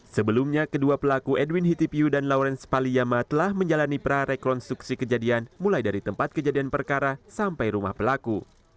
sebelumnya kedua pelaku edwin hitipiu dan lawrence paliama telah menjalani prarekonstruksi kejadian mulai dari tempat kejadian perkara sampai rumah pelaku